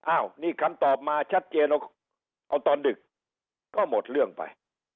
อ้าวนี่คำตอบมาชัดเจนเอาตอนดึกก็หมดเรื่องไป